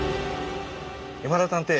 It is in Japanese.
山田探偵